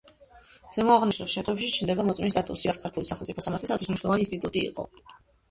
ზემოთაღნიშნულ შემთხვევებში ჩნდება „მოწმის სტატუსი“, რაც ქართული სახელმწიფო სამართლისათვის მნიშვნელოვანი ინსტიტუტი იყო.